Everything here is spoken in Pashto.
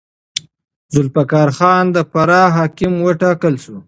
ذوالفقار خان د فراه حاکم وټاکل شو.